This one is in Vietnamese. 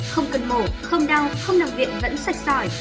không cần mổ không đau không làm viện vẫn sạch sòi